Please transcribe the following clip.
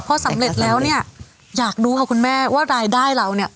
พอสำเร็จแล้วเนี่ยอยากรู้ค่ะคุณแม่ว่ารายได้เราเนี่ย